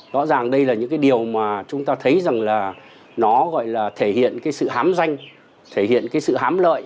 rõ ràng đây là những cái điều mà chúng ta thấy rằng là nó gọi là thể hiện cái sự hám danh thể hiện cái sự hám lợi